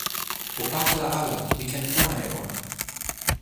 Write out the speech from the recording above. o pakala ala! mi ken pona e ona.